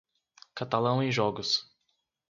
Catalão em jogos.